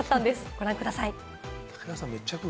ご覧ください。